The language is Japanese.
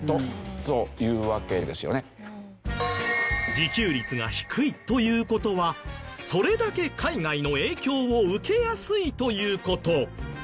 自給率が低いという事はそれだけ海外の影響を受けやすいという事。